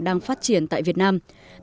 đang phát triển tại việt nam